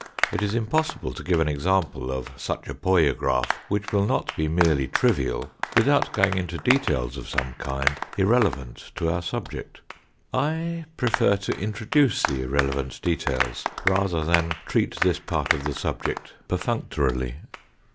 It is impossible to give an example of such a poiograph which will not be merely trivial, without going into details of some kind irrelevant to our subject. I prefer to introduce the irrelevant details rather than treat this part of the subject perfunctorily.